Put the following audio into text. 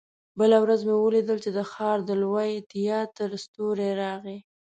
بله ورځ مې ولیدل چې د ښار د لوی تياتر ستورى راغی.